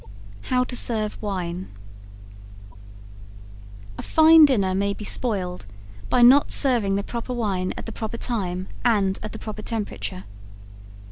HOW TO SERVE WINE. A fine dinner may be spoiled by not serving the proper wine at the proper time and at the proper temperature.